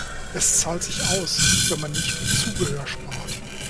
Es zahlt sich aus, wenn man nicht am Zubehör spart.